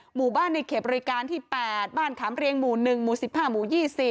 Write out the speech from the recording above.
หมู่บ้านในเขตบริการที่๘บ้านขามเรียงหมู่๑หมู่๑๕หมู่๒๐